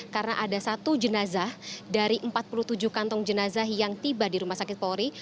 karena ada satu jenazah dari empat puluh tujuh kantong jenazah yang tiba di rumah sakit polri